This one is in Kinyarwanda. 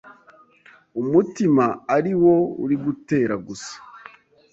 umutima ari wo uri gutera gusa